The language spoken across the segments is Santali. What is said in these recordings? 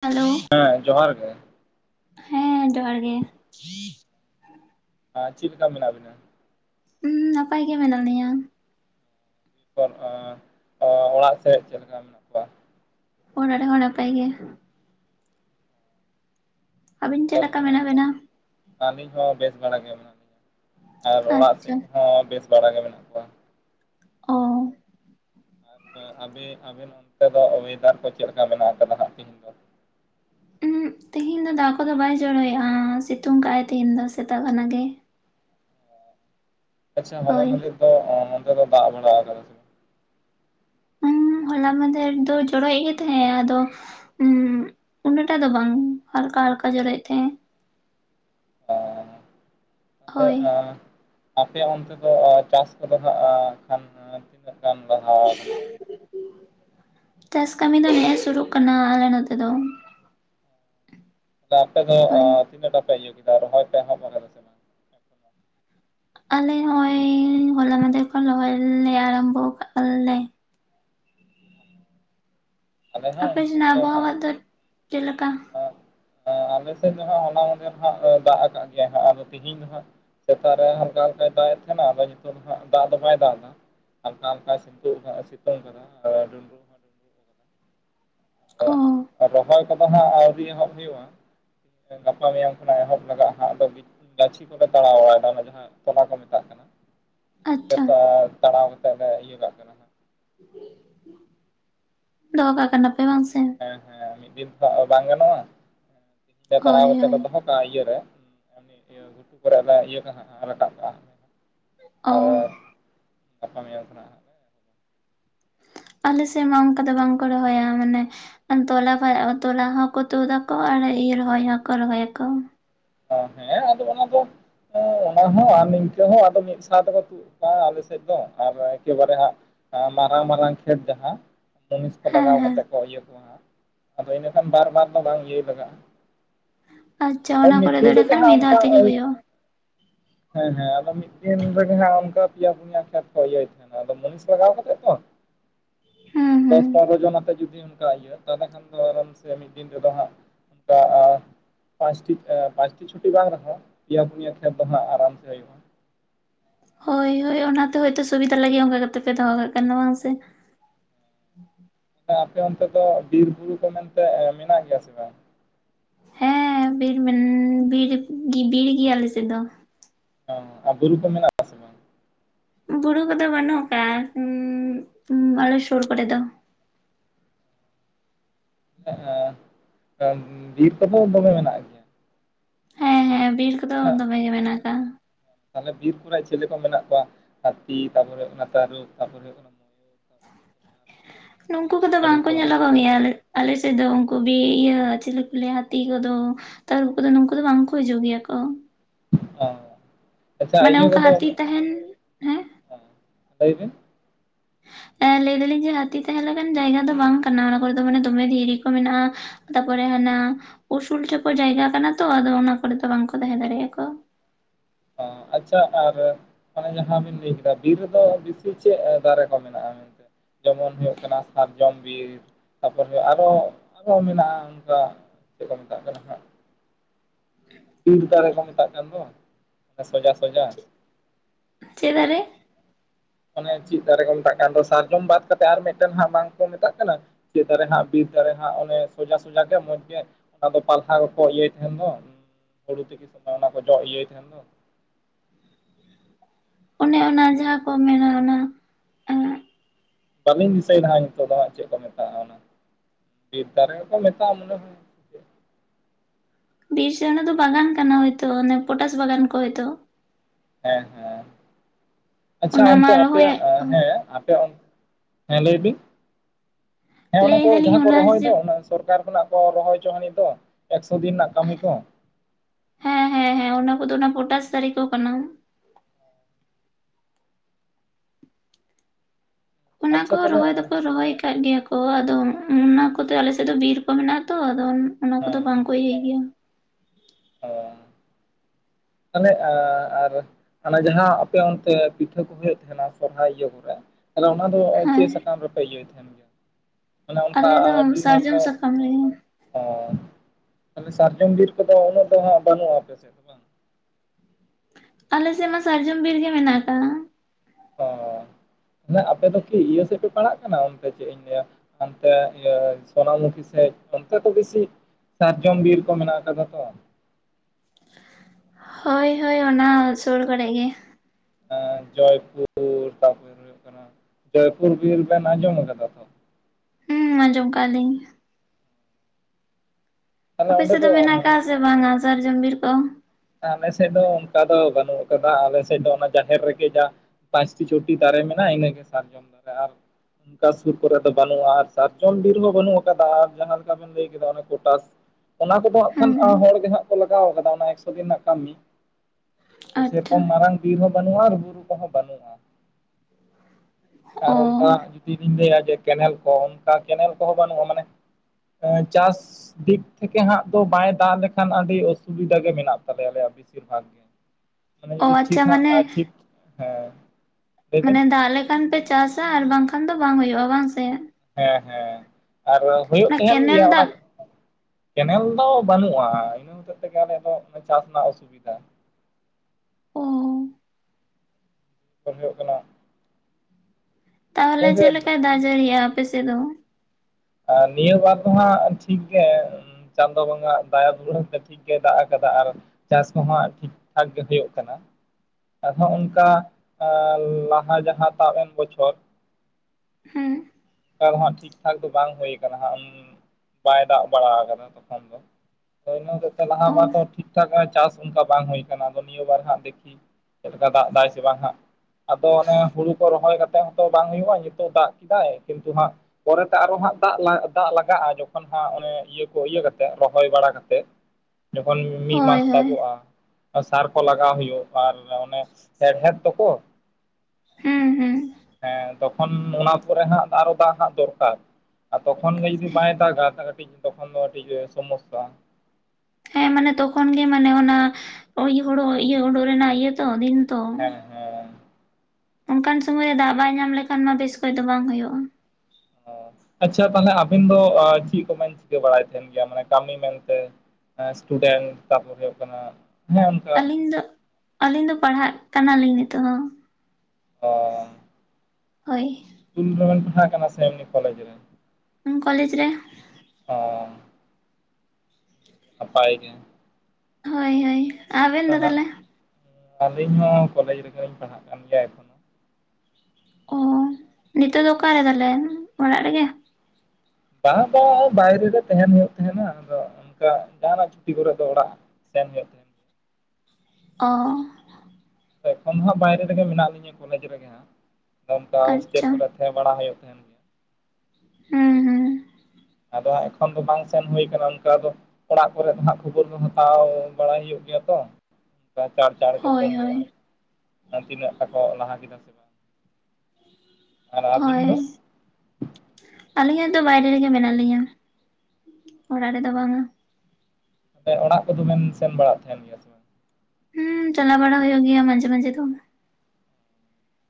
ᱮᱞᱳ, ᱮᱸ ᱡᱚᱦᱟᱨ ᱜᱮ ᱾ ᱦᱮᱸ, ᱡᱚᱦᱟᱨ ᱜᱮ᱾ ᱟᱸ ᱪᱮᱫ ᱠᱟ ᱢᱮᱱᱟᱜ ᱵᱤᱱᱟ? ᱩᱢ, ᱱᱟᱯᱟᱭ ᱜᱮ ᱢᱮᱱᱟᱜ ᱞᱤᱧᱟ ᱾ [unintelligible] ᱚᱲᱟᱜ ᱥᱮᱫ ᱪᱮᱫ ᱞᱮᱠᱟ ᱢᱮᱱᱟᱜ ᱠᱚᱣᱟ? ᱚᱲᱟᱜ ᱨᱮᱦᱚᱸ ᱱᱟᱯᱟᱭ ᱜᱮ᱾ ᱟᱹᱵᱤᱱ ᱪᱮᱫ ᱞᱮᱠᱟ ᱢᱮᱱᱟᱜ ᱵᱮᱱᱟ [unintelligible] ᱟᱹᱞᱤᱧ ᱦᱚᱸ ᱵᱮᱥ ᱵᱟᱲᱟ ᱜᱮ ᱢᱮᱱᱟᱜ ᱞᱤᱧᱟ᱾ ᱟᱨ ᱚᱲᱟᱜ ᱥᱮᱫ ᱟᱪᱪᱷᱟ ᱠᱚ ᱦᱚᱸ ᱵᱮᱥ ᱵᱟᱲᱟ ᱜᱮ ᱢᱮᱱᱟᱜ ᱠᱚᱣᱟ᱾ ᱚ᱾ ᱟᱨ ᱟᱵᱮᱱᱟᱹᱵᱤᱱ ᱚᱱᱛᱮ ᱫᱚ ᱳᱭᱮᱫᱟᱨ ᱠᱚ ᱪᱮᱫ ᱞᱮᱠᱟ ᱢᱮᱱᱟᱜ ᱟᱠᱟᱫᱟ ᱦᱟᱸᱜ ᱛᱮᱦᱮᱧ ᱫᱚ? ᱩᱸᱦᱩᱜ ᱛᱮᱦᱮᱧ ᱫᱚ ᱫᱟᱜ ᱠᱚᱫᱚ ᱵᱟᱭ ᱡᱚᱲᱚᱮᱜᱼᱟ, ᱥᱮᱛᱳᱝ ᱠᱟᱜᱼᱟᱭ ᱛᱮᱦᱮᱧ ᱫᱚ ᱥᱮᱛᱟᱜ ᱠᱷᱚᱱᱟᱜ ᱜᱮ᱾ ᱟᱪᱪᱷᱟ ᱦᱚᱞᱟ ᱦᱳᱭ ᱢᱟᱸᱫᱷᱮᱨ ᱫᱚ ᱚ ᱱᱚᱱᱛᱮ ᱫᱚ ᱫᱟᱜ ᱵᱷᱟᱲᱟ ᱟᱠᱟᱫᱟ᱾ ᱵᱟᱝ? ᱦᱩᱸ ᱦᱚᱞᱟ ᱢᱟᱸᱫᱷᱮᱨ ᱫᱚ ᱡᱚᱲᱚᱭᱮᱫ ᱜᱮ ᱛᱟᱦᱮᱸ ᱟᱫᱚ ᱩᱸᱜ ᱩᱱᱟᱹᱜᱴᱟ ᱫᱚ ᱵᱟᱝ ᱦᱟᱞᱠᱟ ᱦᱟᱞᱠᱟ ᱡᱚᱨᱟᱭᱮᱫ ᱛᱟᱦᱮᱸᱜ-ᱮ᱾ ᱦᱳᱭ [unintelligible] ᱟᱯᱮ ᱚᱱᱛᱮ ᱫᱚ ᱟ ᱪᱟᱥ ᱠᱚᱫᱚ ᱱᱟᱦᱟᱜ ᱠᱷᱟᱱ ᱛᱤᱱᱟᱹᱜ ᱜᱟᱱ ᱞᱟᱦᱟ ᱟᱠᱟᱱᱟ? ᱪᱟᱹᱥ ᱠᱟᱹᱢᱤ ᱫᱚ ᱱᱮᱜ-ᱮ ᱥᱩᱨᱩᱜ ᱠᱟᱱᱟ ᱟᱞᱮ ᱱᱚᱛᱮ ᱫᱚ᱾ ᱛᱟ ᱟᱯᱮ ᱫᱚ ᱟ ᱦᱳᱭ ᱛᱤᱱᱟᱹᱜᱴᱟ ᱯᱮ ᱤᱭᱟᱹ ᱠᱮᱫᱟ? ᱨᱚᱦᱚᱭ ᱯᱮ ᱮᱦᱚᱵ ᱟᱠᱟᱫᱟ ᱥᱮ ᱵᱟᱝ? ᱟᱞᱮ ᱦᱚᱸ-ᱚᱭ ᱦᱚᱞᱟ ᱢᱟᱸᱫᱷᱮᱨ ᱠᱷᱚᱱ ᱞᱚᱦᱚᱭ ᱞᱮ ᱟᱨᱚᱢᱵᱚ ᱠᱟᱜ-ᱟ ᱞᱮ᱾ ᱟᱞᱮ ᱦᱚᱸ ᱟᱯᱮ ᱤᱱᱠᱟᱹ ᱥᱮᱱᱟᱜ ᱜᱮ ᱱᱟᱦᱟᱜ᱾ ᱟᱵᱚᱦᱟᱣᱟ ᱫᱚ ᱪᱮᱫ ᱞᱮᱠᱟ? ᱮᱸ ᱟᱞᱮ ᱥᱮᱫ ᱫᱚ ᱦᱟᱸᱜ ᱦᱚᱞᱟ ᱢᱟᱸᱫᱷᱮᱨ ᱫᱚ ᱦᱟᱸᱜ ᱫᱟᱜ ᱟᱠᱟᱫ ᱜᱮᱭᱟᱭ ᱦᱟᱸᱜ ᱟᱫᱚ ᱛᱤᱦᱤᱧ ᱦᱟᱸᱜ ᱥᱮᱛᱟᱜ ᱨᱮ ᱦᱟᱞᱠᱟ ᱦᱟᱞᱠᱟᱭ ᱫᱟᱜ ᱮᱫ ᱛᱟᱦᱮᱸᱱᱟ ᱟᱫᱚ ᱱᱤᱛᱚᱜ ᱫᱚ ᱦᱟᱸᱜ ᱫᱟᱜ ᱫᱚ ᱵᱟᱭ ᱫᱟᱜ ᱮᱫᱟ᱾ ᱦᱟᱠᱟ ᱦᱟᱞᱠᱟᱭ ᱥᱤᱸᱛᱩᱜ ᱧᱚᱜ-ᱮ ᱥᱤᱸᱛᱩᱝ ᱟᱠᱟᱫ-ᱟ ᱟᱨ ᱰᱩᱸᱰᱨᱩ ᱚ ᱟᱫᱚ ᱨᱚᱦᱚᱭ ᱠᱚᱫᱚ ᱦᱟᱸᱜ ᱟᱹᱣᱨᱤ ᱮᱦᱚᱵ ᱦᱩᱭᱩᱜᱼᱟ᱾ ᱜᱟᱯᱟ ᱢᱮᱭᱟᱝ ᱠᱷᱚᱱᱟᱜ ᱮᱦᱚᱵ ᱞᱟᱜᱟᱜ ᱦᱟᱸᱜ ᱟᱫᱚ [unintelligible] ᱜᱟᱹᱪᱷᱤ ᱠᱚᱞᱮ ᱛᱟᱲᱟᱣ ᱵᱟᱲᱟᱭ ᱮᱫᱟ ᱚᱱᱟ ᱡᱟᱦᱟᱸ ᱛᱚᱞᱟ ᱠᱚ ᱢᱮᱛᱟᱜ ᱠᱟᱱᱟ᱾ ᱟᱪᱪᱷᱟ ᱡᱷᱚᱛᱚ ᱛᱟᱲᱟᱣ ᱠᱟᱛᱮᱫ ᱞᱮ ᱤᱭᱟᱹ ᱠᱟᱜ ᱠᱟᱱᱟ᱾ ᱫᱚᱦᱚᱸ ᱠᱟᱜ ᱢᱤᱫ ᱠᱟᱱᱟ ᱫᱤᱱ ᱯᱮ ᱵᱟᱝ ᱥᱮ? ᱦᱮᱸ ᱦᱮᱸ, ᱢᱤᱫ ᱫᱤᱱ ᱛᱮᱫᱚ ᱟᱨ ᱵᱟᱝ ᱜᱟᱱᱚᱜᱼᱟ, ᱦᱳᱭ ᱛᱟᱲᱟᱣ ᱠᱟᱛᱮᱫ ᱦᱳᱭ ᱞᱮ ᱫᱚᱦᱚᱸ ᱠᱟᱜᱼᱟ ᱤᱭᱟᱹᱨᱮ᱾ ᱤᱭᱟᱹ ᱜᱷᱩᱴᱩ ᱠᱚᱨᱮᱜ ᱞᱮ ᱤᱭᱟᱹ ᱠᱟᱜ-ᱟ ᱦᱟᱜ ᱟᱨ ᱨᱟᱠᱟᱵ ᱠᱟᱜᱼᱟ ᱚ ᱟᱨ ᱜᱟᱯᱟ ᱢᱮᱭᱟᱝ ᱠᱷᱚᱱᱟᱜ ᱦᱟᱸᱜ ᱟᱞᱮ ᱥᱮᱫ ᱢᱟ ᱚᱝᱠᱟ ᱫᱚ ᱵᱟᱝ ᱠᱚ ᱨᱚᱦᱚᱭᱟ ᱢᱟᱱᱮ ᱛᱚᱞᱟ [unintelligible] ᱛᱚᱞᱟ ᱦᱚᱸᱠᱚ ᱛᱳᱫ ᱟᱠᱚ ᱟᱨ ᱤᱭᱟᱹ ᱨᱚᱦᱚᱭ ᱦᱚᱸᱠᱚ ᱨᱚᱦᱚᱭ ᱟᱠᱚ᱾ ᱟ ᱦᱮᱸ ᱟᱫᱚ ᱚᱱᱟ ᱫᱚ ᱚᱱᱟ ᱦᱚᱸ ᱟᱨ ᱱᱤᱝᱠᱟᱹ ᱦᱚᱸ ᱟᱫᱚ ᱢᱤᱫ ᱥᱟᱶ ᱛᱮᱠᱚ ᱛᱩᱫ ᱠᱟ-ᱟ ᱟᱞᱮ ᱥᱮᱫ ᱫᱚ ᱟᱨ ᱮᱠᱮᱵᱟᱨᱮ ᱦᱟᱸᱜ ᱢᱟᱨᱟᱝ ᱢᱟᱨᱟᱝ ᱠᱷᱮᱛ ᱡᱟᱦᱟᱸ ᱢᱩᱱᱤᱥ ᱠᱚ ᱦᱮᱸ ᱞᱟᱜᱟᱣ ᱦᱮᱸ ᱠᱟᱛᱮᱫ ᱠᱚ ᱤᱭᱟᱹ ᱠᱚᱣᱟᱦᱟᱸᱜ, ᱟᱫᱚ ᱤᱱᱟᱹᱠᱷᱟᱱ ᱵᱟᱨ ᱵᱟᱨ ᱫᱚ ᱵᱟᱝ ᱤᱭᱟᱹ ᱞᱟᱜᱟᱜᱼᱟ᱾ ᱟᱪᱪᱷᱟ ᱚᱱᱟ ᱢᱤᱫ ᱠᱚᱨᱮ ᱫᱚ ᱫᱤᱱ ᱛᱮ ᱜᱮ ᱮᱸᱰᱮᱠᱷᱟᱱ ᱦᱟᱸᱜ ᱢᱤᱫ ᱫᱷᱟᱣ ᱚᱱᱠᱟ ᱛᱮᱜᱮ ᱟᱹᱭ ᱦᱩᱭᱩᱜᱼᱟ ᱦᱮᱸ ᱦᱮᱸ, ᱟᱫᱚ ᱢᱤᱫ ᱫᱤᱱ ᱨᱮᱜᱮ ᱦᱟᱸᱜ ᱚᱱᱠᱟ ᱯᱮᱭᱟ ᱯᱩᱱᱭᱟ ᱠᱷᱮᱛ ᱠᱚ ᱤᱭᱟᱹᱭ ᱦᱮᱸᱛᱚ ᱟᱫᱚ ᱢᱩᱱᱤᱥ ᱠᱚ ᱞᱟᱜᱟᱣ ᱠᱟᱛᱮᱫ ᱛᱚ᱾ ᱦᱩᱸ ᱦᱩᱸ ᱫᱚᱥ ᱯᱟᱨᱚ ᱡᱚᱱ ᱟᱛᱮᱜ ᱡᱩᱫᱤ ᱚᱝᱠᱟ ᱤᱭᱟᱹ ᱛᱟᱞᱦᱮ ᱠᱷᱟᱱ ᱫᱚ ᱟᱨᱟᱢ ᱥᱮ ᱢᱤᱫ ᱫᱤᱱ ᱨᱮᱫᱚ ᱦᱟᱸᱜ ᱯᱟᱜ-ᱟ ᱯᱟᱸᱥᱴᱤ ᱮ ᱯᱟᱸᱪᱴᱤ ᱪᱷᱩᱴᱤ ᱵᱟᱝ ᱨᱮᱦᱚᱸ ᱯᱮᱭᱟ ᱯᱩᱱᱭᱟᱹ ᱠᱷᱮᱛ ᱫᱚ ᱦᱟᱸᱜ ᱟᱨᱟᱢ ᱥᱮ ᱦᱩᱭᱩᱜ-ᱟ᱾ ᱦᱳᱭ ᱦᱳᱭ ᱚᱱᱟᱛᱮ ᱦᱳᱭᱛᱚ ᱥᱩᱵᱤᱫᱟ ᱞᱟᱹᱜᱤᱫ ᱚᱝᱠᱟ ᱠᱟᱛᱮ ᱯᱮ ᱫᱚᱦᱚ ᱠᱟᱜ ᱠᱟᱱᱟ ᱵᱟᱝ ᱥᱮ? ᱟᱯᱮ ᱚᱱᱛᱮ ᱫᱚ ᱵᱤᱨ ᱵᱩᱨᱩ ᱠᱚ ᱢᱮᱱᱛᱮ ᱢᱮᱱᱟᱜ ᱜᱮᱭᱟ ᱥᱮ ᱵᱟᱝ? ᱦᱮᱸ ᱵᱤᱨ ᱢᱮᱱ ᱵᱤᱨᱤ ᱵᱤᱨᱤ ᱜᱮᱭᱟ ᱟᱞᱮᱥᱮᱫ ᱫᱚ᱾ ᱵᱟᱝ ᱟᱨ ᱵᱩᱨᱩ ᱠᱚ ᱢᱮᱱᱟᱜ-ᱟ? ᱟ ᱥᱮ ᱵᱟᱝ? ᱵᱩᱨᱩ ᱠᱚᱫᱚ ᱵᱟᱹᱱᱩᱜ ᱠᱟᱜ-ᱟ ᱩᱸ ᱟᱞᱮ ᱥᱩᱨ ᱠᱚᱨᱮ ᱫᱚ᱾ ᱟ ᱠᱟ ᱵᱤᱨ ᱠᱚᱫᱚ ᱫᱚᱢᱮ ᱢᱮᱱᱟᱜ ᱟ? ᱦᱮᱸ ᱦᱮᱸ, ᱵᱤᱨ ᱠᱚᱫᱚ ᱫᱚᱢᱮ ᱜᱮ ᱢᱮᱱᱟᱜ ᱠᱟᱜ-ᱟ᱾ ᱛᱟᱞᱦᱮ ᱵᱤᱨ ᱠᱚᱨᱮᱜ ᱪᱮᱞᱤ ᱠᱚ ᱢᱮᱱᱟᱜ ᱠᱚᱣᱟ, ᱦᱟᱛᱤ ᱛᱟᱯᱚᱨᱮ ᱦᱩᱭᱩᱜ ᱠᱟᱱᱟ ᱛᱟᱹᱨᱩᱵᱽ ᱛᱟᱯᱚᱨᱮ ᱦᱩᱭᱩᱜ ᱠᱟᱱᱟ ᱟᱨᱚ ᱢᱟᱱᱮ ᱱᱩᱝᱠᱩ ᱠᱚᱫᱚ ᱵᱟᱝ ᱠᱚ ᱧᱮᱞᱚᱜᱚᱜ ᱜᱮᱭᱟ ᱟᱞᱮ ᱟᱞᱮᱥᱮᱫ ᱫᱚ ᱩᱝᱠᱩ ᱵᱤ ᱤᱭᱟᱹ ᱪᱤᱞᱤ ᱠᱚ ᱞᱟᱹᱭᱟ ᱦᱟᱛᱤ ᱠᱚᱫᱚ ᱛᱟᱹᱨᱩᱵᱽ ᱠᱚᱫᱚ ᱱᱩᱝᱠᱩ ᱫᱚ ᱵᱟᱝ ᱠᱚ ᱦᱤᱡᱩᱜ ᱜᱮᱭᱟ ᱠᱚ᱾ ᱟ ᱟᱪᱪᱷᱟ ᱢᱟᱱᱮ ᱤᱭᱟᱹ ᱚᱱᱠᱟ ᱠᱚᱫᱚ ᱦᱟᱹᱛᱤ ᱚᱱᱮ, ᱛᱟᱦᱮᱱ ᱦᱮᱸ ᱞᱟᱹᱭ ᱵᱤᱱ᱾ ᱮᱸ ᱞᱟᱹᱭ ᱫᱟᱞᱤᱧ ᱡᱮ ᱦᱟᱹᱛᱤ ᱛᱟᱦᱮᱸ ᱞᱮᱠᱟᱱ ᱡᱟᱭᱜᱟ ᱫᱚ ᱵᱟᱝ ᱠᱟᱱᱟ ᱚᱱᱟ ᱠᱚᱨᱮ ᱫᱚ ᱢᱟᱱᱮ ᱫᱚᱢᱮ ᱫᱷᱤᱨᱤ ᱠᱚ ᱢᱮᱱᱟᱜ-ᱟ᱾ ᱛᱟᱯᱚᱨᱮ ᱦᱟᱱᱟ ᱩᱥᱩᱞ ᱪᱷᱮᱯᱚ ᱡᱟᱭᱜᱟ ᱠᱟᱱᱟ ᱛᱚ ᱟᱫᱚ ᱚᱱᱟ ᱠᱚᱨᱮ ᱫᱚ ᱵᱟᱝ ᱠᱚ ᱛᱟᱦᱮᱸ ᱫᱟᱲᱮᱜ ᱟᱠᱚ᱾ ᱮᱸ ᱟᱪᱪᱷᱟ ᱟᱨ ᱚᱱᱮ ᱡᱟᱦᱟᱸ ᱵᱤᱱ ᱞᱟᱹᱭ ᱠᱮᱫᱟ ᱵᱤᱨ ᱨᱮᱫᱚ ᱵᱮᱥᱤ ᱪᱮᱜ ᱮ ᱫᱟᱨᱮ ᱠᱚ ᱢᱮᱱᱟᱜ-ᱟ ᱢᱮᱱᱛᱮ? ᱡᱮᱢᱚᱱ ᱦᱩᱭᱳᱜ ᱠᱟᱱᱟ ᱥᱟᱨᱡᱚᱢ ᱵᱤᱨ ᱛᱟᱯᱚᱨᱮ ᱟᱨᱚ ᱟᱨᱚ ᱢᱮᱱᱟᱜ-ᱟ ᱚᱝᱠᱟ ᱪᱮᱫ ᱠᱚ ᱢᱮᱛᱟᱜ ᱠᱟᱱᱟ ᱦᱟᱸᱜ ᱛᱤᱨᱤᱞ ᱛᱟᱨᱚᱵᱽ ᱠᱚ ᱢᱮᱛᱟᱜ ᱠᱟᱱ ᱫᱚ ᱚᱱᱮ ᱥᱚᱡᱟ ᱥᱚᱡᱟ᱾ ᱪᱮᱜ ᱫᱟᱨᱮ? ᱚᱱᱮ ᱪᱤᱜ ᱫᱟᱨᱮ ᱠᱚ ᱢᱮᱛᱟᱜ ᱠᱟᱱ ᱫᱚ ᱥᱟᱨᱡᱚᱢ ᱵᱟᱫ ᱠᱟᱛᱮ ᱟᱨ ᱢᱤᱫᱴᱮᱱ ᱦᱟᱸᱜ ᱵᱟᱝ ᱠᱚ ᱢᱮᱛᱟᱜ ᱠᱟᱱᱟ᱾ ᱪᱮᱫ ᱫᱟᱨᱮ ᱦᱟᱸᱜ ᱵᱤᱨ ᱫᱟᱨᱮ ᱦᱟᱸᱜ ᱟᱫᱚ ᱥᱚᱡᱟ ᱥᱚᱡᱟ ᱜᱮ ᱢᱚᱡᱽ ᱧᱚᱜ᱾ ᱚᱱᱟ ᱫᱚ ᱯᱟᱞᱦᱟ ᱜᱮᱠᱚ ᱤᱭᱟᱹᱭ ᱛᱟᱸᱦᱮᱱ ᱫᱚ ᱦᱩᱲᱩ ᱛᱤᱠᱤ ᱥᱚᱢᱚᱭ ᱚᱱᱟ ᱠᱚ ᱡᱚᱜ ᱤᱭᱟᱹᱭ ᱛᱟᱸᱦᱮᱱ ᱫᱚ᱾ ᱚᱱᱮ ᱚᱱᱟ ᱡᱟᱦᱟᱸ ᱠᱚ ᱢᱮᱱᱟ ᱚᱱᱟ ᱮᱸᱜ ᱵᱟᱞᱤᱧ ᱫᱤᱥᱟᱹᱭ ᱮᱫᱟ ᱦᱟᱸᱜ ᱱᱤᱛᱚᱜ ᱫᱚ ᱦᱟᱸᱜ ᱪᱮᱫ ᱠᱚ ᱢᱮᱛᱟᱜ-ᱟ ᱚᱱᱟ ᱵᱤᱨ ᱫᱟᱨᱮ ᱜᱮᱠᱚ ᱢᱮᱛᱟᱜ-ᱟ ᱢᱚᱱᱮ ᱦᱚᱭ᱾ ᱵᱤᱨ [unintelligible] ᱵᱟᱜᱟᱱ ᱠᱟᱱᱟ ᱦᱳᱭᱛᱚ ᱚᱱᱟ ᱯᱚᱴᱟᱥ ᱵᱟᱜᱟᱱ ᱠᱚ ᱦᱳᱭᱛᱚ᱾ ᱦᱮᱸ ᱦᱮᱸ, ᱟᱪᱪᱷᱟ ᱚᱱᱟ ᱢᱟ ᱚᱱᱛᱮ ᱟᱯᱮᱭᱟᱜ ᱨᱚᱦᱚᱭᱮᱫ ᱠᱚ ᱦᱮᱸ ᱟᱯᱮᱭᱟᱜ ᱦᱮᱸ ᱞᱟᱹᱭ ᱵᱤᱱ, ᱦᱮᱸ ᱞᱟᱹᱭ ᱚᱱᱟᱠᱚ ᱫᱟᱞᱤᱧ ᱡᱟᱦᱟᱸ ᱠᱚ ᱚᱱᱟ ᱨᱚᱦᱚᱭ ᱡᱮ ᱫᱚ ᱚᱱᱟ ᱥᱚᱨᱠᱟᱨ ᱠᱷᱚᱱᱟᱜ᱾ ᱠᱚ ᱨᱚᱦᱚᱭ ᱦᱚᱪᱚ ᱟᱹᱱᱤᱡ ᱫᱚ ᱮᱠᱥᱚ ᱫᱤᱱ ᱨᱮᱱᱟᱜ ᱠᱟᱹᱢᱤ ᱠᱚ᱾ ᱦᱮᱸ ᱦᱮᱸ ᱦᱮᱸ, ᱚᱱᱟ ᱠᱚᱫᱚ ᱚᱱᱟ ᱯᱚᱴᱟᱥ ᱫᱟᱨᱮ ᱠᱚ ᱠᱟᱱᱟ᱾ ᱚᱱᱟ ᱟᱪᱪᱷᱟ ᱠᱚ ᱛᱟᱦᱚᱞᱮ ᱨᱚᱦᱚᱭ ᱫᱚᱠᱚ ᱨᱚᱦᱚᱭ ᱠᱟᱜ ᱜᱮᱭᱟ ᱠᱚ᱾ ᱚ ᱟᱫᱚ ᱚᱱᱟ ᱠᱚᱛᱮ ᱟᱞᱮᱥᱮᱫ ᱫᱚ ᱵᱤᱨ ᱠᱚ ᱢᱮᱱᱟᱜ-ᱟ ᱛᱚ ᱟᱫᱚ ᱚᱱᱟ ᱠᱚᱫᱚ ᱵᱟᱝ ᱠᱚ ᱤᱭᱟᱹᱭ ᱜᱮᱭᱟ᱾ ᱚᱸᱻ᱾ ᱛᱟᱞᱮ ᱟᱨ ᱚᱱᱟ ᱡᱟᱦᱟᱸ ᱟᱯᱮ ᱚᱱᱛᱮ ᱯᱤᱴᱷᱟᱹ ᱠᱚ ᱦᱩᱭᱩᱜ ᱛᱟᱦᱮᱱᱟ ᱥᱚᱨᱦᱟᱭ ᱤᱭᱟᱹ ᱠᱚᱨᱮ ᱛᱟᱦᱞᱮ ᱚᱱᱟ ᱫᱚ ᱦᱮᱸ ᱪᱮᱫ ᱥᱟᱠᱟᱢ ᱨᱮᱯᱮ ᱤᱭᱟᱹᱭ ᱛᱟᱦᱮᱸᱜ? ᱟᱞᱮ ᱫᱚ ᱦᱚᱲ ᱥᱟᱨᱡᱚᱢ ᱫᱚ ᱥᱟᱠᱟᱢ ᱨᱮ᱾ ᱚ ᱛᱟᱞᱦᱮ ᱥᱟᱨᱡᱚᱢ ᱵᱤᱨ ᱠᱚᱫᱚ ᱩᱱᱟᱹᱜ ᱫᱚ ᱦᱟᱸᱜ ᱵᱟᱹᱱᱩᱜ-ᱟ ᱟᱯᱮ ᱥᱮᱫ ᱫᱚ? ᱵᱟᱝ? ᱟᱞᱮᱥᱮᱱ ᱢᱟ ᱥᱟᱨᱡᱚᱢ ᱵᱤᱨ ᱜᱮ ᱢᱮᱱᱟᱜ ᱠᱟᱜ-ᱟ᱾ ᱚ [inaudible] [unintelligible] ᱟᱯᱮ ᱫᱚ ᱠᱤ ᱤᱭᱟᱹ ᱥᱮᱫ ᱯᱮ ᱯᱟᱲᱟᱜ ᱠᱟᱱᱟ ᱚᱱᱛᱮ ᱪᱮᱫ ᱤᱧ ᱞᱟᱹᱭᱟ ᱚᱱᱛᱮ ᱤᱭᱟᱹ ᱥᱳᱱᱟᱢᱩᱠᱷᱤ ᱥᱮᱫ, ᱚᱱᱛᱮ ᱫᱚ ᱵᱤᱥᱤ ᱥᱟᱨᱡᱚᱢ ᱵᱤᱨ ᱠᱚ ᱢᱮᱱᱟᱜ ᱟᱠᱟᱫᱟ ᱛᱚ᱾ ᱦᱳᱭ ᱦᱳᱭ ᱚᱱᱟ ᱥᱩᱨ ᱠᱚᱨᱮᱜ ᱜᱮ᱾ ᱮᱸ ᱡᱚᱭᱯᱩᱨ ᱛᱟᱯᱚᱨ ᱦᱩᱭᱩᱜ ᱠᱟᱱᱟ, ᱡᱚᱭᱯᱩᱨ ᱵᱤᱨ ᱵᱮᱱ ᱟᱸᱡᱚᱢ ᱟᱠᱟᱫᱟ ᱛᱚ? ᱦᱩᱸ, ᱟᱸᱡᱚᱢ ᱠᱟᱜ-ᱟ ᱞᱤᱧ। ᱛᱟᱦᱚᱞᱮ ᱚᱯᱮ ᱚᱸᱰᱮ ᱥᱮᱫ ᱫᱚ ᱢᱮᱱᱟᱜ ᱟᱠᱟᱜ ᱥᱮ ᱵᱟᱝᱟ ᱥᱟᱨᱡᱚᱢ ᱵᱤᱨ ᱠᱚ? ᱟᱞᱮ ᱥᱮᱫ ᱫᱚ ᱚᱱᱠᱟ ᱫᱚ ᱵᱟᱹᱱᱩᱜ ᱟᱠᱟᱫᱟ, ᱟᱞᱮ ᱥᱮᱫ ᱫᱚ ᱚᱱᱟ ᱡᱟᱦᱮᱨ ᱨᱮᱜᱮ ᱡᱟ ᱾ ᱯᱟᱸᱪᱴᱤ ᱪᱷᱚᱴᱤ ᱫᱟᱨᱮ ᱢᱮᱱᱟᱜᱼᱟ, ᱤᱱᱟᱹᱜᱮ ᱥᱟᱨᱡᱚᱢ ᱫᱟᱨᱮ ᱟᱨ ᱚᱱᱠᱟ ᱥᱩᱨ ᱠᱚᱨᱮ ᱫᱚ ᱵᱟᱹᱱᱩᱜᱼᱟ, ᱟᱨ ᱥᱟᱨᱡᱚᱢ ᱵᱤᱨ ᱦᱚᱸ ᱵᱟᱹᱱᱩᱜ ᱟᱠᱟᱫᱟ ᱟᱨ ᱡᱟᱦᱟᱸ ᱞᱮᱠᱟ ᱵᱤᱱ ᱞᱟᱹᱭ ᱠᱮᱫᱟ ᱚᱱᱮ ᱯᱚᱴᱟᱥ ᱾ ᱚᱱᱟ ᱠᱚᱫᱚ ᱦᱟᱸᱜ ᱦᱩᱸ ᱠᱷᱟᱱ ᱦᱩᱸ ᱦᱚᱲᱜᱮ ᱦᱟᱸᱜ ᱠᱚ ᱞᱟᱜᱟᱣ ᱠᱟᱫᱟ, ᱚᱱᱟ ᱮᱠᱥᱚ ᱫᱤᱱ ᱨᱮᱱᱟᱜ ᱠᱟᱹᱢᱤ ᱾ ᱟᱪᱪᱷᱟ ᱥᱮᱨᱚᱠᱚᱢ ᱢᱟᱨᱟᱝ ᱵᱤᱨ ᱦᱚᱸ ᱵᱟᱱᱩᱜᱼᱟ, ᱟᱨ ᱵᱩᱨᱩ ᱠᱚᱦᱚᱸ ᱵᱟᱱᱩᱜᱼᱟ ᱾ [inaudible] ᱟᱨ ᱚᱱᱠᱟ ᱡᱩᱫᱤ ᱵᱤᱱ ᱞᱟᱹᱭᱟ ᱡᱮ ᱠᱮᱱᱮᱞ ᱠᱚ ᱚᱱᱠᱟ ᱠᱮᱱᱮᱞ ᱠᱚᱦᱚᱸ ᱵᱟᱹᱱᱩᱜᱼᱟ ᱢᱟᱱᱮ ᱮᱸ ᱪᱟᱥ ᱫᱤᱠ ᱛᱷᱮᱠᱮ ᱦᱟᱸᱜ ᱫᱚ ᱵᱟᱭ ᱫᱟᱜ ᱞᱮᱠᱷᱟᱱ ᱟᱹᱰᱤ ᱚᱥᱩᱵᱤᱫᱷᱟ ᱜᱮ ᱢᱮᱱᱟᱜ᱾ ᱛᱮᱞᱮᱭᱟ ᱟᱞᱮᱭᱟᱜ ᱵᱮᱥᱤᱨ ᱵᱷᱟᱜᱽ ᱜᱮ᱾ ᱢᱟᱱᱮ ᱚ ᱡᱫᱤ ᱴᱷᱤᱠ ᱟᱪᱪᱷᱟ ᱦᱟᱸᱜ ᱢᱟᱱᱮ ᱴᱷᱤᱠ ᱦᱮᱸ᱾ ᱞᱟᱹᱭ ᱵᱤᱱ ᱢᱟᱱᱮ ᱫᱟᱜ ᱞᱮᱠᱷᱟᱱ ᱯᱮ ᱪᱟᱥᱟ ᱟᱨ ᱵᱟᱝᱠᱷᱟᱱ ᱫᱚ ᱵᱟᱝ ᱦᱩᱭᱩᱜᱼᱟ ᱵᱟᱝ ᱥᱮ᱾ ᱦᱮᱸ ᱦᱮᱸ ᱟᱨ ᱦᱩᱭᱩᱜ ᱚᱱᱟ ᱛᱟᱦᱮᱱ ᱠᱮᱱᱮᱞ ᱜᱮᱭᱟ ᱚᱱᱟ ᱫᱟᱜ ᱠᱮᱱᱮᱞ ᱫᱚ ᱵᱟᱹᱱᱩᱜᱼᱟ ᱤᱱᱟᱹ ᱦᱚᱛᱮᱡ ᱛᱮᱜᱮ ᱟᱞᱮᱭᱟᱜ ᱫᱚ ᱪᱟᱥ ᱨᱮᱱᱟᱜ ᱚᱥᱩᱵᱤᱫᱟ᱾ ᱚ ᱚᱨ ᱦᱩᱭᱩᱜ ᱠᱟᱱᱟ ᱛᱟᱦᱚᱞᱮ ᱤᱱᱟᱹᱜᱮ ᱪᱮᱫ ᱞᱮᱠᱟᱭ ᱫᱟᱜ ᱡᱟᱹᱲᱤᱭᱮᱜ-ᱟ ᱟᱯᱮ ᱥᱮᱫ ᱫᱚ? ᱟᱨ ᱱᱤᱭᱟᱹ ᱵᱟᱨ ᱫᱚ ᱦᱟᱸᱜ ᱴᱷᱤᱠ ᱜᱮ᱾ ᱪᱟᱸᱫᱚᱳ ᱵᱟᱝᱟᱣᱟᱜ ᱫᱟᱭᱟ ᱫᱩᱲᱟᱹᱲ ᱛᱮ ᱴᱷᱤᱠ ᱜᱮᱭ ᱫᱟᱜ ᱟᱠᱟᱫᱟ ᱟᱨ ᱪᱟᱥ ᱠᱚ ᱦᱟᱸᱜ ᱴᱷᱤᱠᱴᱷᱟᱠ ᱜᱮ ᱦᱩᱭᱩᱜᱭ ᱠᱟᱱᱟ᱾ ᱟᱨᱦᱚ ᱚᱱᱠᱟ ᱟ ᱞᱟᱦᱟ ᱡᱟᱦᱟᱸ ᱛᱟᱵ ᱮᱱ ᱵᱚᱪᱷᱚᱨ᱾ ᱦᱮᱸ᱾ ᱠᱟᱨᱚ ᱦᱟᱸᱜ ᱴᱤᱠ ᱴᱷᱟᱠ ᱫᱚ ᱵᱟᱝ ᱦᱩᱭᱩ ᱟᱠᱟᱱᱟ ᱦᱟᱸᱜ ᱩᱸ ᱵᱟᱭ ᱫᱟᱜ ᱵᱟᱲᱟ ᱟᱠᱟᱫᱟ ᱛᱚᱠᱷᱚᱱ ᱫᱚ᱾ ᱟᱫᱚ ᱤᱱᱟᱹ ᱦᱚᱛᱮᱡ ᱛᱮ ᱞᱟᱦᱟ ᱚ ᱵᱟᱨ ᱫᱚ ᱴᱷᱤᱠ ᱴᱷᱟᱠ ᱪᱟᱥ ᱚᱱᱠᱟ ᱵᱟᱝ ᱦᱩᱭ ᱟᱠᱟᱱᱟ ᱟᱫᱚ ᱱᱤᱭᱟᱹ ᱵᱟᱨ ᱦᱟᱸᱜ ᱫᱮᱠᱷᱤ᱾ ᱪᱮᱫ ᱞᱮᱠᱟ ᱫᱟᱜ ᱫᱟᱭ ᱥᱮ ᱵᱟᱝ ᱦᱟᱸᱜ᱾ ᱟᱫᱚ ᱚᱱᱮ ᱦᱩᱲᱩ ᱠᱚ ᱨᱚᱦᱚᱭ ᱠᱟᱛᱮ ᱦᱚᱸᱛᱚ ᱵᱟᱝ ᱦᱩᱭᱩᱜᱼᱟ ᱱᱤᱛᱚᱜ ᱫᱟᱜ ᱠᱮᱫᱟᱭ ᱠᱤᱱᱛᱩ ᱦᱟᱸᱜ ᱯᱚᱨᱮ ᱛᱟ ᱟᱨᱚ ᱦᱟᱸᱜ ᱫᱟᱜ ᱫᱟᱜ ᱞᱟᱜᱟᱜᱼᱟ ᱡᱚᱠᱷᱚᱱ ᱦᱟᱸᱜ ᱚᱱᱮ ᱤᱭᱟᱹ ᱠᱚ ᱤᱭᱟᱹ ᱠᱟᱛᱮ ᱨᱚᱦᱚᱭ ᱵᱟᱲᱟ ᱠᱟᱛᱮ᱾ ᱡᱚᱠᱷᱚᱱ ᱢᱤᱫ ᱦᱳᱭ ᱢᱟᱥ ᱦᱳᱭ ᱛᱟᱵᱚᱜᱼᱟ᱾ ᱟ ᱥᱟᱨ ᱠᱚ ᱞᱟᱜᱟᱣ ᱦᱩᱭᱩᱜ ᱟᱨ ᱚᱱᱮ ᱦᱮᱲᱦᱮᱫ ᱫᱚᱠᱚ᱾ ᱦᱩᱸ ᱦᱩᱸ ᱦᱮᱸ ᱛᱚᱠᱷᱚᱱ ᱚᱱᱟ ᱯᱚᱨᱮ ᱦᱟᱸᱜ ᱟᱨᱚ ᱫᱟᱜ ᱫᱟᱜ ᱦᱟᱸᱜ ᱫᱚᱨᱠᱟᱨ᱾ ᱟᱨ ᱛᱚᱠᱷᱚᱱ ᱜᱮ ᱡᱚᱫᱤ ᱵᱟᱭ ᱫᱟᱜᱟ [unintelligible] ᱠᱟᱹᱴᱤᱡ ᱛᱚᱠᱷᱚᱱ ᱫᱚ ᱠᱟᱹᱴᱤᱡ ᱥᱚᱢᱚᱥᱥᱟ-ᱟ᱾ ᱦᱮᱸ ᱢᱟᱱᱮ ᱛᱚᱠᱷᱚᱱ ᱜᱮ ᱢᱟᱱᱮ ᱚᱱᱟ ᱤᱭᱟᱹ ᱦᱩᱲᱩ ᱤᱭᱟᱹ ᱩᱰᱩᱜ ᱨᱮᱱᱟᱜ ᱤᱭᱟᱹ ᱛᱚ ᱫᱤᱱ᱾ ᱛᱚ ᱦᱮᱸ᱾ ᱦᱮᱸ ᱚᱱᱠᱟᱱ ᱥᱩᱢᱳᱭ ᱨᱮ ᱫᱟᱜ ᱵᱟᱭ ᱧᱟᱢ ᱞᱮᱠᱷᱟᱱ ᱢᱟ ᱵᱮᱥ ᱠᱚᱡ ᱫᱚ ᱵᱟᱝ ᱦ ᱦᱩᱭᱩᱜᱼᱟ᱾ ᱟᱪᱪᱷᱟ ᱛᱟᱦᱞᱮ ᱟᱵᱤᱱ ᱫᱚ ᱟ ᱪᱮᱫ ᱠᱚᱵᱮᱱ ᱪᱤᱠᱟᱹ ᱵᱟᱲᱟᱭ ᱛᱟᱦᱮᱱ ᱜᱮᱭᱟ ᱢᱟᱱᱮ ᱠᱟᱹᱢᱤ ᱢᱮᱱᱛᱮ? ᱥᱴᱩᱰᱮᱱᱴ ᱛᱟᱨᱯᱚᱨ ᱦᱩᱭᱩᱜᱜ ᱠᱟᱱᱟ ᱦᱮᱸ ᱚᱱᱠᱟ ᱟᱹᱞᱤᱧ ᱫᱚ ᱟᱹᱞᱤᱧ ᱫᱚ ᱯᱟᱲᱦᱟᱜ ᱠᱟᱱᱟᱞᱤᱧ ᱱᱤᱛᱚᱜ ᱦᱚᱸ᱾ ᱚ᱾ ᱦᱳᱭ᱾ ᱤᱥᱠᱩᱞ ᱨᱮᱵᱮᱱ ᱯᱟᱲᱦᱟᱜ ᱠᱟᱱᱟ ᱥᱮ ᱮᱢᱱᱤ ᱠᱚᱞᱮᱡᱽ ᱨᱮ? ᱩᱸ ᱠᱚᱞᱮᱡᱽ ᱨᱮ᱾ ᱚ᱾ ᱱᱟᱯᱟᱭ ᱜᱮ᱾ ᱦᱳᱭ ᱦᱳᱭ ᱟᱵᱮᱱ ᱫᱚ ᱯᱟᱲᱦᱟᱜ ᱛᱟᱦᱚᱞᱮ? ᱟᱹᱞᱤᱧ ᱦᱚᱸ ᱠᱚᱞᱮᱮᱡ ᱨᱮᱜᱮ ᱞᱤᱧ ᱯᱟᱲᱦᱟᱜ ᱠᱟᱱ ᱜᱮᱭᱟ ᱮᱠᱷᱚᱱ᱾ ᱚ ᱱᱤᱛᱚᱜ ᱫᱚ ᱚᱠᱟᱨᱮ ᱛᱟᱞᱦᱮ ᱚᱲᱟᱜ ᱨᱮᱜᱮᱴ? ᱵᱟᱝ ᱵᱟ ᱵᱟᱭᱨᱮ ᱨᱮ ᱛᱟᱦᱮᱱ ᱦᱩᱭᱩᱜ ᱛᱟᱦᱮᱱᱟ ᱟᱫᱚ ᱚᱱᱠᱟ ᱡᱟᱦᱱᱟᱜ ᱪᱷᱩᱴᱤ ᱠᱚᱨᱮ ᱫᱚ ᱚᱲᱟᱜ ᱥᱮᱱ ᱦᱩᱭᱩᱜ᱾ ᱛᱟᱦᱮᱱ ᱚᱸ᱾ ᱮᱠᱷᱚᱱ ᱫᱚ ᱦᱟᱸᱜ ᱵᱟᱭᱨᱮ ᱨᱮᱜᱮ ᱢᱮᱱᱟᱜ ᱞᱤᱧᱟᱹ ᱠᱚᱞᱮᱡᱽ ᱨᱮᱜᱮ ᱦᱟᱸᱜ᱾ ᱟᱫᱚ ᱚᱱᱠᱟ ᱦᱳᱥᱴᱮᱞ ᱟᱪᱪᱷᱟ ᱠᱚᱨᱮᱜ ᱛᱟᱦᱮᱸ ᱵᱟᱲᱟ ᱦᱩᱭᱩᱜ ᱛᱟᱦᱮᱱ᱾ ᱦᱩᱸ ᱦᱩᱸᱺ ᱟᱫᱚ ᱦᱟᱸᱜ ᱮᱠᱷᱚᱱ ᱫᱚ ᱵᱟᱝ ᱥᱮᱱ ᱦᱩᱭᱩ ᱠᱟᱱᱟ ᱚᱱᱠᱟ ᱫᱚ᱾ ᱚᱲᱟᱜ ᱠᱚᱨᱮ ᱫᱚ ᱦᱟᱸᱜ ᱠᱷᱚᱵᱚᱨ ᱫᱚ ᱦᱟᱛᱟᱣ ᱵᱟᱲᱟᱭ ᱦᱩᱭᱩᱜ ᱜᱮᱭᱟ ᱛᱚ᱾ ᱪᱟᱲ ᱪᱟᱲ ᱜᱮ ᱦᱳᱭ ᱯᱷᱳᱱ ᱦᱳᱭ ᱦᱩᱭᱩᱜᱼᱟ ᱛᱤᱱᱟᱹᱜ ᱴᱟᱠᱚ ᱞᱟᱦᱟ ᱠᱮᱫᱟ ᱥᱮ ᱵᱟᱝ? ᱟᱨ ᱟᱹᱵᱤᱱ ᱫᱚ ᱦᱳᱭ, ᱟᱹᱞᱤᱧ ᱦᱚᱸᱛᱚ ᱵᱟᱭᱨᱮ ᱨᱮᱜᱮ ᱢᱮᱱᱟᱜ ᱞᱤᱧᱟ ᱚᱲᱟᱜ ᱨᱮᱫᱚ ᱵᱟᱝᱟ᱾ ᱛᱟᱦᱞᱮ ᱚᱲᱟᱜ ᱠᱚᱫᱚ ᱵᱮᱱ ᱥᱮᱱ ᱵᱟᱲᱟᱜ ᱛᱟᱦᱮᱱ ᱜᱮᱭᱟ ᱥᱮ ᱵᱟᱝ? ᱦᱩᱸ ᱪᱟᱞᱟ ᱵᱟᱲᱟ ᱦᱩᱭᱚᱜ ᱜᱮᱭᱟ ᱢᱟᱡᱷᱮ ᱢᱟᱡᱷᱮ ᱫᱚ ᱾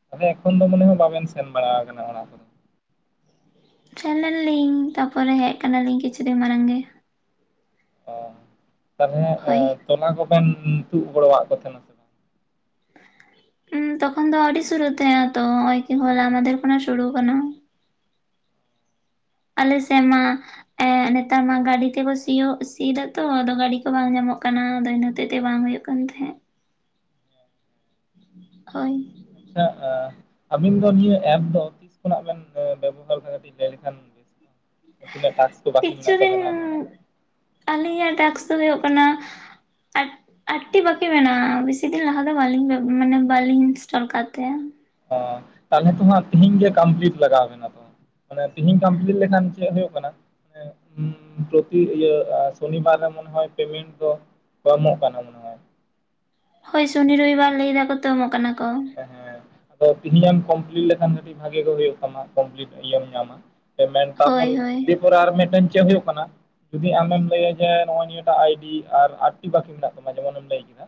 ᱛᱟᱦᱚᱞᱮ ᱮᱠᱷᱚᱱ ᱫᱚ ᱢᱟᱱᱮ ᱦᱟᱸ ᱵᱟᱵᱮᱱ ᱥᱮᱱ ᱵᱟᱲᱟ ᱟᱠᱟᱱᱟ ᱚᱲᱟᱜ ᱠᱚᱫᱚ᱾ ᱥᱮᱱ ᱞᱮᱱᱟ ᱞᱤᱧ ᱛᱟᱯᱚᱨᱮ ᱦᱮᱡ ᱠᱟᱱᱟ ᱞᱤᱧ ᱠᱤᱪᱷᱩ ᱫᱤᱱ ᱢᱟᱲᱟᱝ ᱜᱮ᱾ ᱚ ᱛᱟᱦᱞᱮ ᱦᱳᱭ, ᱛᱚᱞᱟ ᱠᱚᱵᱮᱱ ᱛᱩᱫ ᱜᱚᱲᱚᱣᱟᱣᱟ-ᱜ ᱠᱚ ᱛᱟᱦᱮᱱᱟ? ᱵᱟᱝ ᱩᱸ ᱛᱚᱠᱷᱚᱱ ᱫᱚ ᱟᱣᱨᱤ ᱥᱩᱨᱩᱜ ᱛᱟᱦᱮᱸᱱᱟ ᱛᱚ ᱦᱚᱸ ᱚᱭ ᱦᱚᱞᱟ ᱢᱟᱫᱷᱮᱨ ᱠᱷᱚᱱᱟᱜ ᱥᱩᱨᱩ ᱟᱠᱟᱱᱟ᱾ ᱟᱞᱮ ᱥᱮᱜ ᱢᱟ ᱮᱸ ᱱᱮᱛᱟᱨ ᱢᱟ ᱜᱟᱹᱰᱤ ᱛᱮᱵᱚ ᱥᱤᱭᱚᱜ ᱥᱤ ᱫᱟᱛᱚ ᱟᱫᱚ ᱜᱟᱹᱰᱤ ᱠᱚ ᱵᱟᱝ ᱧᱟᱢᱚᱜ ᱠᱟᱱᱟ ᱟᱫᱚ ᱤᱱᱟᱹ ᱦᱚᱛᱮᱡ ᱛᱮ ᱵᱟᱝ ᱦᱩᱭᱩ-ᱜ ᱠᱟᱱᱟ᱾ ᱠᱟᱱ ᱛᱟᱦᱮᱸᱫ᱾ ᱦᱳᱭ, ᱟᱪᱪᱷᱟ, ᱟᱵᱤᱱ ᱫᱚ ᱱᱤᱭᱟᱹ ᱮᱯ ᱫᱚ ᱛᱤᱥ ᱠᱷᱚᱱᱟᱜ ᱵᱮᱱ ᱵᱮᱵᱚᱦᱟᱨ ᱠᱟᱹᱴᱤ ᱞᱟᱹᱭ ᱞᱮᱠᱷᱟᱱ ᱵᱮᱥ ᱛᱤᱱᱟᱹᱜ ᱴᱟᱠᱥ ᱠᱚ ᱵᱟᱠᱤ ᱢᱮᱱᱟᱜ ᱛᱟᱵᱮᱱᱟ? ᱟᱞᱤᱧᱟᱜ ᱴᱟᱠᱥ ᱫᱚ ᱦᱩᱭᱩᱜ ᱠᱟᱱᱟ, ᱟᱴ ᱟᱴ ᱴᱤ ᱵᱟᱠᱤ ᱢᱮᱱᱟᱜᱼᱟ ᱵᱮᱥᱤᱫᱤᱱ ᱞᱟᱦᱟ ᱫᱚ ᱵᱟᱞᱤᱧ ᱢᱟᱱᱮ ᱵᱟᱹᱞᱤᱧ ᱤᱱᱥᱴᱚᱞ ᱟᱠᱟᱫ ᱛᱟᱦᱮᱸ ᱚ ᱛᱟᱦᱞᱮ ᱛᱚ ᱦᱟᱸᱜ ᱛᱤᱦᱤᱧ ᱜᱮ ᱠᱚᱢᱯᱞᱤᱴ ᱞᱟᱜᱟᱣ ᱵᱮᱱᱟ ᱛᱚ᱾ ᱢᱟᱱᱮ ᱛᱤᱦᱮᱧ ᱠᱚᱢᱯᱞᱤᱴ ᱞᱮᱠᱷᱟᱱ ᱪᱮᱫ ᱦᱩᱭᱩᱜ ᱠᱟᱱᱟ ᱯᱨᱚᱛᱤ ᱤᱭᱟᱹ ᱥᱚᱱᱤ ᱵᱟᱨ ᱨᱮ ᱢᱚᱱᱮ ᱦᱚᱭ ᱯᱮᱢᱮᱴ ᱫᱚ ᱠᱚ ᱮᱢᱚᱜ ᱠᱟᱱᱟ ᱢᱚᱱᱮ ᱦᱚᱭ ᱾ ᱦᱳᱭ ᱥᱩᱱᱤ ᱨᱚᱵᱤᱵᱟᱨ ᱞᱟᱹᱭ ᱫᱟᱠᱚ ᱛᱚ ᱮᱢᱚᱜ ᱠᱟᱱᱟ ᱠᱚ᱾ ᱦᱮᱸ ᱟᱫᱚ ᱛᱮᱤᱦᱤᱧ ᱮᱢ ᱠᱚᱢᱯᱞᱤᱴ ᱞᱮᱠᱷᱟᱱ ᱠᱟᱹᱴᱤᱡ ᱵᱷᱟᱜᱤ ᱜᱮ ᱦᱩᱭᱩᱜ ᱛᱟᱢᱟ ᱠᱚᱢᱯᱤᱞᱴ ᱤᱭᱟᱹᱢ ᱧᱟᱢᱟ ᱯᱮᱢᱮᱱᱴ ᱦᱳᱭ ᱛᱟᱨᱯᱚᱨ ᱦᱳᱭ ᱫᱮ ᱯᱚᱨᱮ ᱟᱨ ᱢᱤᱫᱴᱟᱝ ᱪᱮᱫ ᱦᱩᱭᱩᱜ ᱠᱟᱱᱟ ᱡᱩᱫᱤ ᱟᱢᱮᱢ ᱞᱟᱹᱭᱟ ᱡᱮ ᱱᱚᱜ ᱚᱭ ᱱᱤᱭᱟᱹ ᱴᱟᱜ ᱟᱭᱰᱤ ᱟᱨ ᱟᱴ ᱴᱤ ᱵᱟᱠᱤ ᱢᱮᱱᱟᱜ ᱛᱟᱢᱟ ᱡᱮᱢᱚᱱᱮᱢ ᱞᱟᱹᱭ ᱠᱮᱫᱟ᱾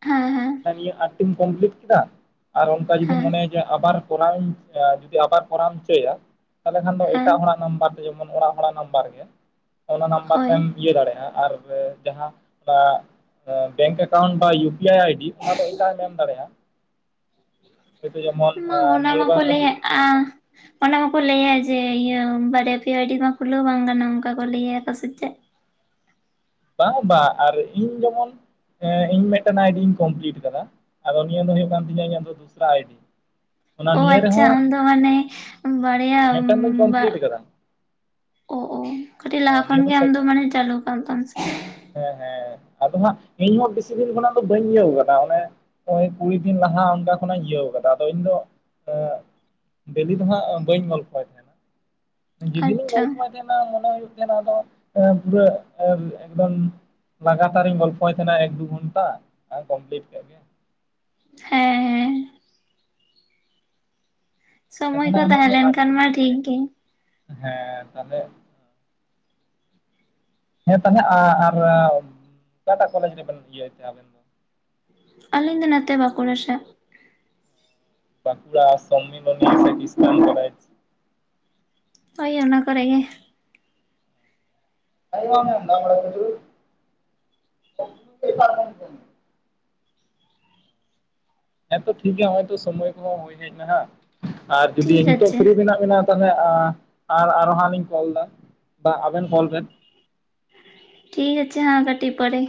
[inaudible] ᱦᱮᱸ ᱦᱮᱸ, ᱱᱤᱭᱟᱹ ᱟᱴᱴᱤᱢ ᱠᱚᱢᱯᱞᱤᱴ ᱠᱮᱫᱟ ᱟᱨ ᱚᱱᱠᱟ ᱡᱩᱫᱤᱢ ᱦᱮᱸ ᱢᱚᱱᱮᱭᱟ ᱡᱮ ᱟᱵᱟᱨ ᱠᱚᱨᱟᱣ ᱤᱧ ᱡᱩᱫᱤ ᱟᱵᱟᱨ ᱠᱚᱨᱟᱣ ᱮᱢ ᱪᱟᱹᱭᱟ ᱛᱟᱦᱚᱞᱮ ᱠᱷᱟᱱ ᱫᱚ ᱦᱮᱸ ᱮᱴᱟᱜ ᱦᱚᱲᱟᱜ ᱱᱟᱢᱵᱟᱨ ᱡᱮᱢᱚᱱ ᱚᱲᱟᱜ ᱦᱚᱲᱟᱜ ᱱᱟᱢᱵᱟᱨ ᱜᱮ ᱚᱱᱟ ᱱᱟᱢᱵᱟᱨ ᱦᱳᱭ ᱛᱮᱢ ᱤᱭᱟᱹ ᱫᱟᱲᱮᱭᱟᱜᱼᱟ ᱟᱨ ᱡᱟᱦᱟᱸ ᱚᱱᱟ ᱵᱮᱝᱠ ᱮᱠᱟᱣᱩᱱᱴ ᱵᱟ ᱤᱭᱩ ᱯᱤ ᱟᱭ ᱟᱭᱰᱤ ᱚᱱᱟ ᱫᱚ ᱮᱴᱟᱜ ᱮᱢ ᱫᱟᱲᱮᱭᱟᱜᱼᱟ᱾ ᱦᱳᱭᱛᱳ ᱡᱮᱢᱚᱱ ᱢᱟ ᱚᱱᱟ ᱱᱤᱭᱟᱹ ᱢᱟ ᱠᱚ ᱵᱟᱨ ᱫᱚ ᱞᱮᱭ ᱮᱜᱼᱟ ᱚᱱᱟ ᱢᱟᱠᱚ ᱞᱟᱹᱭᱟ ᱡᱮ ᱤᱭᱟᱹ ᱵᱟᱨᱭᱟ ᱯᱤᱭᱟ ᱟᱭᱰᱤ ᱢᱟ ᱠᱷᱩᱞᱟᱹᱣ ᱵᱟᱝ ᱜᱟᱱᱚᱜ ᱚᱱᱠᱟ ᱠᱚ ᱞᱟᱹᱭᱟ ᱥᱮ ᱪᱮᱫ? ᱵᱟᱝ ᱵᱟᱝ ᱟᱨ ᱤᱧ ᱡᱮᱢᱚᱱ ᱤᱧ ᱢᱤᱫᱴᱮᱱ ᱟᱭᱰᱤᱧ ᱠᱚᱢᱯᱤᱞᱤᱴ ᱟᱠᱟᱫᱟ ᱟᱫᱚ ᱱᱤᱭᱟᱹ ᱫᱚ ᱦᱩᱭᱩᱜ ᱠᱟᱱ ᱛᱤᱧᱟ ᱤᱧᱟᱜ ᱫᱚᱥᱨᱟ ᱟᱭᱰᱤ᱾ ᱚᱱᱟ ᱚᱻ ᱱᱤᱭᱟᱹ ᱟᱪᱪᱷᱟ ᱨᱮᱦᱚᱸ ᱩᱱᱫᱚ ᱢᱟᱱᱮ ᱵᱟᱨᱭᱟ ᱢᱤᱫᱴᱟᱝ ᱫᱚᱧ ᱵᱟ ᱠᱚᱢᱯᱞᱤᱴ ᱟᱠᱟᱫᱟ ᱚ ᱚ ᱠᱟᱹᱴᱤᱡ ᱞᱟᱦᱟ ᱦᱮᱸ ᱠᱷᱚᱱ ᱱᱤᱭᱟᱹ ᱜᱮ ᱥᱮ ᱟᱢ ᱫᱚ ᱢᱟᱱᱮ ᱪᱟᱹᱞᱩ ᱠᱟᱱᱟᱱ ᱛᱟᱢ ᱥᱮ ᱦᱮᱸ ᱦᱮᱸ ᱟᱫᱚ ᱦᱟᱸᱜ ᱤᱧᱦᱚᱸ ᱵᱤᱥᱤ ᱫᱤᱱ ᱠᱷᱚᱱᱟᱜ ᱫᱚ ᱵᱟᱹᱧ ᱤᱭᱟᱹᱣ ᱟᱠᱟᱫᱟ ᱚᱱᱮ ᱱᱚᱜ ᱚᱭ ᱠᱩᱲᱤ ᱫᱤᱱ ᱞᱟᱦᱟ ᱚᱱᱠᱟ ᱠᱷᱚᱱᱟᱜ ᱤᱧ ᱤᱭᱟᱹᱣ ᱟᱠᱟᱫᱟ ᱟᱫᱚ ᱤᱧᱫᱚ [inaudible] ᱰᱮᱞᱤ ᱫᱚ ᱦᱟᱸᱜ ᱵᱟᱹᱧ ᱜᱚᱞ ᱯᱷᱚᱭ ᱛᱟᱦᱮᱸᱫ᱾ ᱡᱮᱫᱤᱱᱤᱧ ᱟᱪᱪᱷᱟ ᱜᱚᱞᱯᱷᱚᱭ ᱛᱟᱦᱮᱸᱱᱟ ᱢᱚᱱᱮ ᱦᱩᱭᱩᱜ ᱛᱟᱦᱮᱸᱱᱟ ᱟᱫᱚ ᱮ ᱯᱩᱨᱟᱹ ᱮᱠᱫᱚᱢ ᱞᱟᱜᱟᱹᱛᱟᱨᱤᱧ ᱜᱚᱞᱯᱚᱭᱟᱸᱛᱟᱦᱮᱱᱟ ᱾ᱮᱠ ᱫᱩ ᱜᱷᱽᱚᱱᱴᱟ ᱟᱨ ᱠᱚᱢᱯᱞᱤᱴ ᱠᱮᱫ ᱜᱮ ᱦᱮᱸ ᱦᱮᱸ ᱟᱪᱪᱷᱟ ᱥᱚᱢᱚ-ᱭ ᱛᱟᱦᱚᱞᱮ ᱠᱚᱸ ᱟᱢᱟᱜ ᱫᱚ ᱛᱟᱦᱮᱸ ᱟᱨ ᱞᱮᱱᱹᱠᱷᱟᱱ ᱢᱟ, ᱴᱷᱤᱠᱹᱜᱮ᱾ ᱦᱮᱸ ᱛᱟᱦᱚᱹᱞᱮ ᱦᱮᱸ ᱛᱟᱦᱚᱸᱞᱮ ᱟᱸ ᱟᱨ ᱚᱠᱟᱴᱟ-ᱜ ᱠᱚᱞᱮᱡᱽ ᱨᱮᱹᱵᱮᱱ ᱤᱭᱟᱹᱭ ᱛᱟᱦᱮᱸ ᱟᱸᱵᱮᱱ ᱟᱞᱤᱧ ᱫᱚ ᱱᱚᱛᱮ ᱵᱟᱸᱠᱩᱲᱟ ᱥᱮᱫ᱾ [unintelligible] ᱵᱟᱹᱠᱩᱲᱟ ᱥᱚᱢᱢᱤᱞᱚᱱᱤ ᱥᱮᱤᱥᱴᱟᱱ ᱠᱚᱟᱭ? ᱚᱭ ᱚᱱᱟ ᱠᱚᱨᱮ ᱜᱮ᱾ [unintelligible] ᱦᱮᱸᱛᱚ ᱴᱷᱤᱠ ᱜᱮᱭᱟ ᱦᱚᱜᱚᱭ ᱛᱚ ᱥᱚᱢᱚᱭ ᱠᱚᱼᱦᱚᱸ ᱦᱳᱭ ᱦᱮᱡᱱᱟᱦᱟᱸᱜ ᱾ ᱟᱨ ᱡᱩᱫᱤ ᱴᱷᱤᱠ ᱱᱤᱛᱚᱜ ᱟᱪᱷᱮ ᱯᱷᱤᱨᱤ ᱢᱮᱱᱟᱜ ᱵᱮᱱᱟ᱾ ᱛᱟᱦᱚᱞᱮ ᱟᱨ ᱟᱨ ᱦᱟᱸᱜ ᱞᱤᱧ ᱠᱚᱞᱫᱟ᱾ ᱵᱟ ᱟᱵᱮᱱ ᱠᱚᱞ ᱵᱮᱱ? ᱴᱷᱤᱠ ᱟᱪᱷᱮ ᱦᱟᱸᱜ ᱠᱟᱹᱴᱤᱡ ᱯᱚᱨᱮ᱾